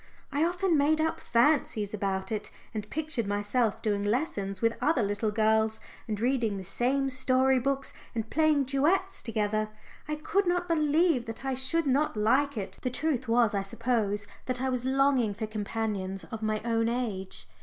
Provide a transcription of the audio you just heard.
I often made up fancies about it, and pictured myself doing lessons with other little girls and reading the same story books and playing duets together. I could not believe that I should not like it. The truth was, I suppose, that I was longing for companions of my own age.